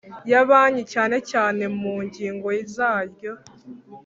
Y amabanki cyane cyane mu ngingo zaryo